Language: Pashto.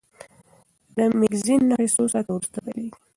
د مېګرین نښې څو ساعته وروسته پیلېږي.